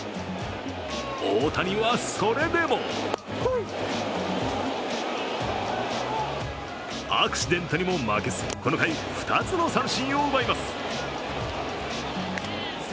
大谷はそれでもアクシデントにも負けずこの回、２つの三振を奪います。